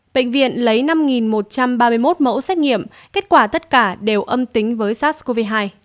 bệnh viện lấy năm một trăm ba mươi một mẫu xét nghiệm kết quả tất cả đều âm tính với sars cov hai